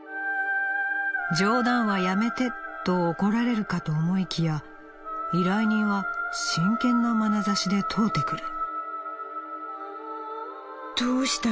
冗談はやめてと怒られるかと思いきや依頼人は真剣なまなざしで問うてくる」。